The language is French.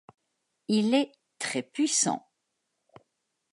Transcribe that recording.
Il est très puissant.